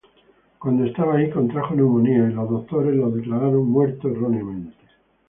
Cuando estaba ahí contrajo neumonía y los doctores lo declararon muerto erróneamente.